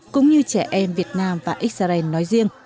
cũng như trẻ em việt nam và israel nói riêng